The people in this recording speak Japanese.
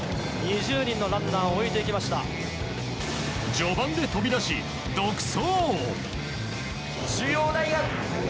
序盤で飛び出し、独走。